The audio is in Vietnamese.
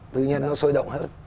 tư nhân nó sôi động hơn